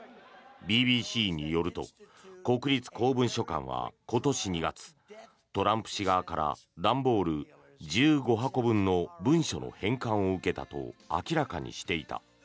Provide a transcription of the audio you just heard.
ＢＢＣによると国立公文書館は今年２月トランプ氏側から段ボール１５箱分の文書の返還を受けたと明らかにしていた。